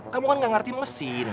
kamu kan gak ngerti mesin